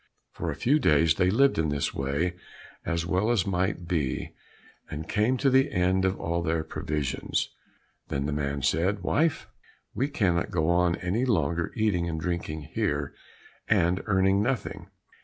For a few days they lived in this way as well as might be, and came to the end of all their provisions. Then the man said, "Wife, we cannot go on any longer eating and drinking here and earning nothing.